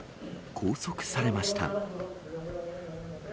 拘束されました。